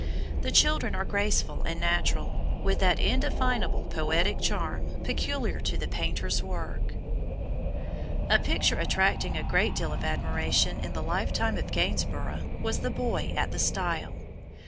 The children are graceful and natural, with that indefinable poetic charm peculiar to the painter's work. A picture attracting a great deal of admiration in the lifetime of Gainsborough, was the Boy at the Stile.